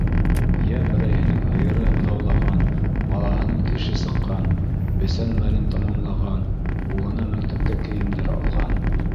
Йә берәйһенең һыйыры быҙаулаған, балаһының теше сыҡҡан, бесән мәлен тамамлаған, улына мәктәпкә кейемдәр алған.